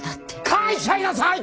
書いちゃいなさい！